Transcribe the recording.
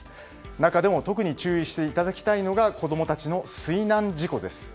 中でも特に注意していただきたいのが子供たちの水難事故です。